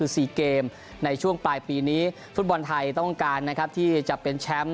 สี่เกมในช่วงปลายปีนี้ฟุตบอลไทยต้องการนะครับที่จะเป็นแชมป์